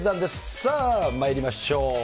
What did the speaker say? さあ、まいりましょう。